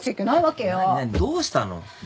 何何どうしたの。